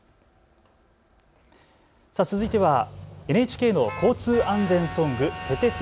続いてはＮＨＫの交通安全ソング、ててて！